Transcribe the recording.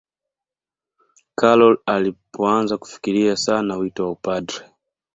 karol alipoanza kufikiria sana wito wa upadri